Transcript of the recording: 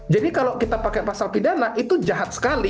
jadi kalau kita pakai pasal pidana itu jahat sekali